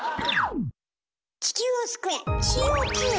地球を救え！